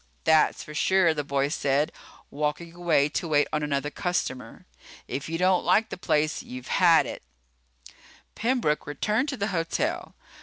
"That's for sure," the boy said, walking away to wait on another customer. "If you don't like the place, you've had it." Pembroke returned to the hotel.